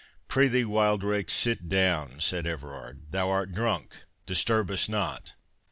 "Prithee, Wildrake, sit down," said Everard; "thou art drunk—disturb us not."